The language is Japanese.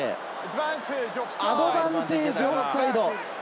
アドバンテージ、オフサイド。